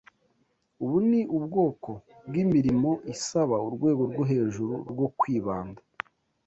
Ubu ni ubwoko bwimirimo isaba urwego rwo hejuru rwo kwibanda.